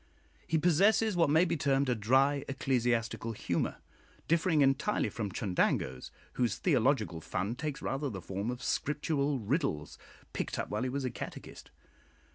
He possesses what may be termed a dry ecclesiastical humour, differing entirely from Chundango's, whose theological fun takes rather the form of Scriptural riddles, picked up while he was a catechist.